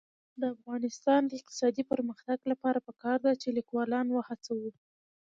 د افغانستان د اقتصادي پرمختګ لپاره پکار ده چې لیکوالان وهڅوو.